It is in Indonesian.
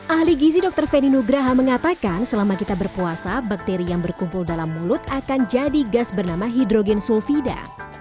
ahli gizi dr feni nugraha mengatakan selama kita berpuasa bakteri yang berkumpul dalam mulut akan jadi gas bernama hidrogen sulfida